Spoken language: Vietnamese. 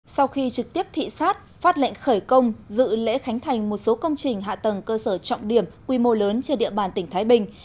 sau khi trực tiếp thị xát phát lệnh khởi công dự lễ khánh thành một số công trình hạ tầng cơ sở trọng điểm quy mô lớn trên địa bàn tỉnh thái bình